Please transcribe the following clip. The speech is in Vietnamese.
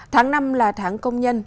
tháng năm là tháng công nhân